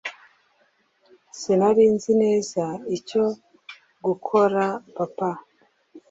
sinari nzi neza icyo gukorapapa